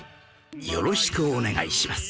よろしくお願いします